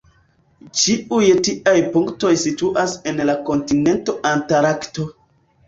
Ĉiuj tiaj punktoj situas en la kontinento Antarkto.